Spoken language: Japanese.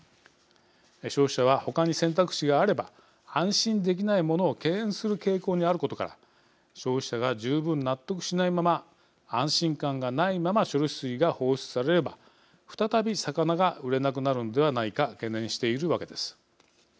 消費者は他に選択肢があれば安心できないものを敬遠する傾向にあることから消費者が十分納得しないまま安心感がないまま処理水が放出されれば再び魚が売れなくなるのではないか懸念しているわけです。